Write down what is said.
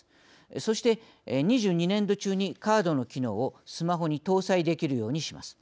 そして２２年度中にカードの機能をスマホに搭載できるようにします。